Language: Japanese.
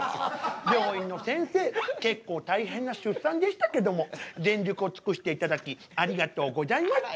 病院のせんせい結構大変な出産でしたけども全力を尽くしていただきありがとうございました。